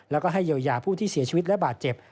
แล้วก็ให้เยียวยาผู้ที่เสียชีวิตและบาดเจ็บ